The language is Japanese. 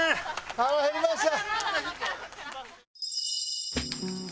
腹減りました。